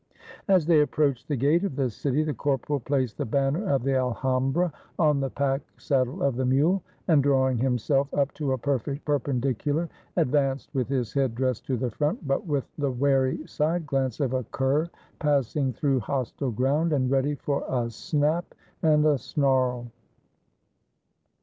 As they approached the gate of the city, the corporal placed the banner of the Alhambra on the pack saddle of the mule, and, drawing himself up to a perfect per pendicular, advanced with his head dressed to the front, but with the wary side glance of a cur passing through hostile ground and ready for a snap and a snarl.